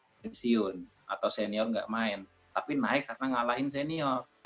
gak bisa pensiun atau senior gak main tapi naik karena ngalahin senior